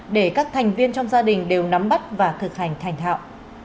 để các thành viên trong gia đình đều nắm bắt và thực hành thành thạo